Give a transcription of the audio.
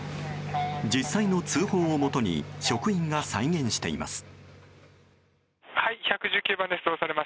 実際の通報をもとに職員が再現しています。